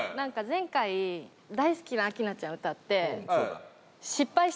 前回大好きな明菜ちゃん